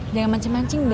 jangan mancing mancing deh